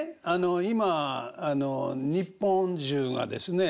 今日本中がですね